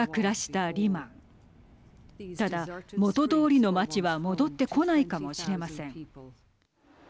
ただ、元どおりの街は戻ってこないかもしれません。